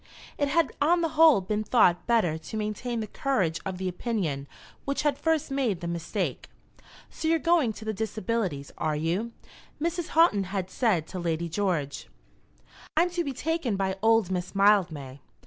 It had on the whole been thought better to maintain the courage of the opinion which had first made the mistake. "So you're going to the Disabilities, are you?" Mrs. Houghton had said to Lady George. "I'm to be taken by old Miss Mildmay."